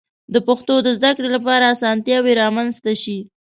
د پښتو د زده کړې لپاره آسانتیاوې رامنځته شي.